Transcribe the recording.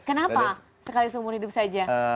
kenapa sekali seumur hidup saja